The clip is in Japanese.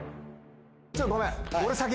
ちょっとごめん。